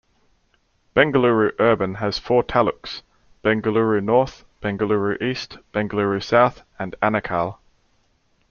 Bengaluru Urban has four taluks: Bengaluru North, Bengaluru East, Bengaluru South and Anekal.